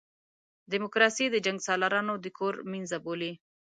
ډیموکراسي د جنګسالارانو د کور مېنځه بولي.